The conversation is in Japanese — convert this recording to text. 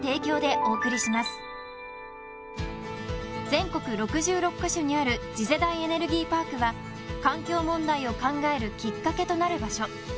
全国６６か所にある次世代エネルギーパークは環境問題を考えるきっかけとなる場所